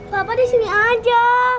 papa di sini aja